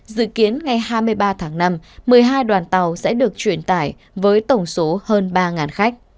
dự kiến ngày hai mươi ba tháng năm một mươi hai đoàn tàu sẽ được truyền tải với tổng số hơn ba khách